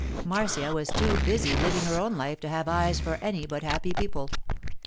Marcia was too busy living her own life to have eyes for any but happy people.